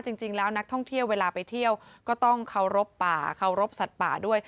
จริงแล้วนักท่องเที่ยวเวลาไปเที่ยวก็ต้องเคารพป่าเคารพสัตว์ป่าด้วย